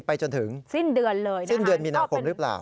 ไปจนถึงสิ้นเดือนเลยนะครับก็เป็นสิ้นเดือนมีนาคมรึเปล่า